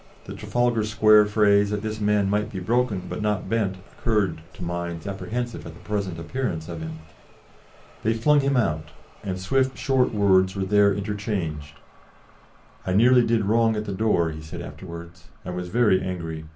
The Trafalgar Square phrase that this man might be broken but not bent occurred to minds apprehensive at the present appearance of him." They flung him out, and swift, short words were there interchanged. "I nearly did wrong at the door," he said afterwards, "I was very angry.